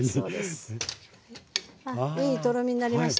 いいとろみになりました。